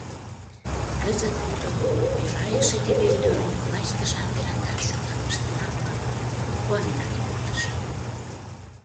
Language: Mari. Кызыт тудо, йӧра эше тиде ӱдырым лач тышан вераҥдаш шонен пыштенам манын, куаненат колтыш.